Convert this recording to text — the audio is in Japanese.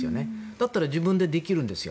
だったら自分でできるんです。